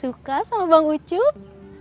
suka sama bang ucup